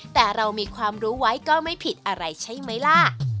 แต่เรามีความรู้ไว้ก็ไม่ผิดอะไรใช่ไหมล่ะ